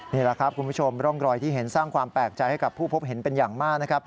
นี่แหละครับคุณผู้ชมร่องรอยที่เห็นสร้างความแปลกใจให้กับผู้พบเห็นเป็นอย่างมากนะครับ